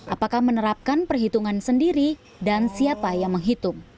apakah menerapkan perhitungan sendiri dan siapa yang menghitung